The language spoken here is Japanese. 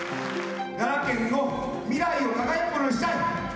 奈良県の未来を輝くものにしたい。